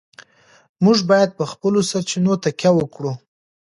موږ باید په خپلو سرچینو تکیه وکړو.